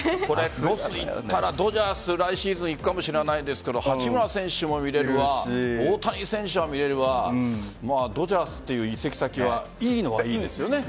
ロスに行ったら、ドジャース来シーズン行くかもしれませんが八村選手も見れますし大谷選手は見れるわドジャースという移籍先は良いのは良いですよね。